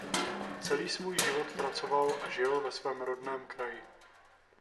Celý svůj život pracoval a žil ve svém rodném kraji.